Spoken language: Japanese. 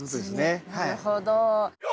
なるほど。